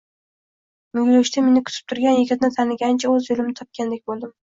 Muyulishda meni kutib turgan yigitni tanigachgina, o`z yo`limni topgandek bo`ldim